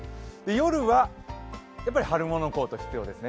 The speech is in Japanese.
夜はやはり春物コート必要ですね。